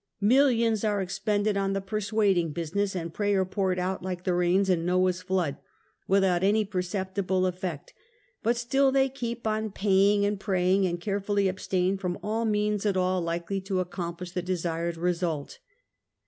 Millions are expended on the persuading business, and prayer poured out like the rains in iN'oah's flood, without any perceptible ef fect; but still they keep on paying and praying, and carefully abstain from all means at all likely to ac complish the desired result.